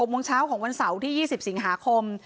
โมงเช้าของวันเสาร์ที่๒๐สิงหาคม